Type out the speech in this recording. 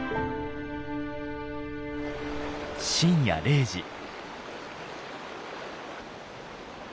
深夜０時。